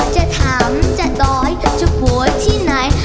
จะถ่ำจะดอยจะโหยที่ไหน